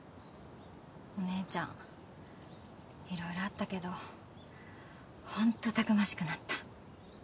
お姉ちゃんいろいろあったけどホントたくましくなった。